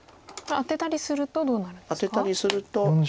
アテたりするとどうなるんですか？